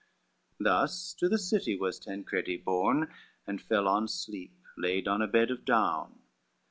CXIX Thus to the city was Tancredi borne, And fell on sleep, laid on a bed of down.